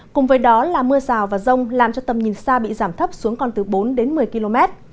cùng với đó là mưa rào và rông làm cho tầm nhìn xa bị giảm thấp xuống còn từ bốn đến một mươi km